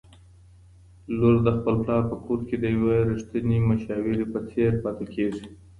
لورد خپل پلار په کور کي د یوې رښتینې مشاورې په څېر پاته کيږي